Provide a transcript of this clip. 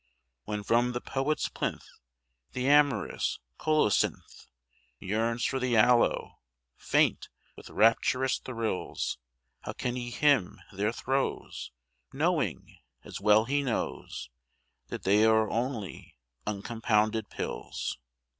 When from the poet's plinth The amorous colocynth Yearns for the aloe, faint with rapturous thrills, How can he hymn their throes Knowing, as well he knows, That they are only uncompounded pills?